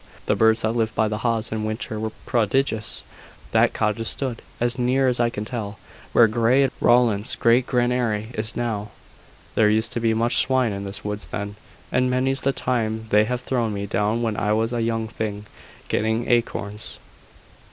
The birds that lived by the haws in winter were prodigious. That cottage stood, as near as I can tell, where Grey and Rowland's great granary is now. There used to be much swine in the woods then; and many's the time they have thrown me down when I was a young thing getting acorns.